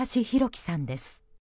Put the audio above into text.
輝さんです。